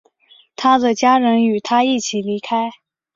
他的家人与他一起离开。